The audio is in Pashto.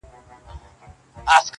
دلته تم سه چي بېړۍ دي را رسیږي،